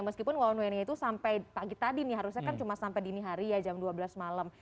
meskipun one way nya itu sampai pagi tadi nih harusnya kan cuma sampai dini hari ya jam dua belas malam